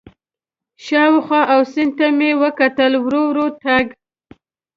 شاوخوا او سیند ته مې وکتل، ورو ورو تګ.